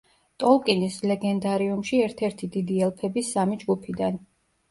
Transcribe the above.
ტოლკინის ლეგენდარიუმში ერთ-ერთი დიდი ელფების სამი ჯგუფიდან.